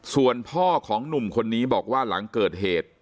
ส่วนพ่อของหนุ่มคนนี้บอกว่าหลังเกิดเหตุ